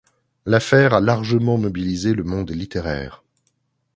L'affaire a largement mobilisé le monde littéraire.